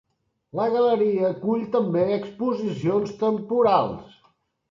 La Galeria acull també exposicions temporals.